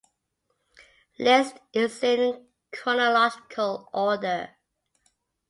List is in chronological order.